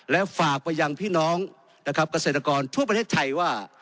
และฝากไปยังพี่น้องกระเสด็จกรทั่วประเทศไทยว่า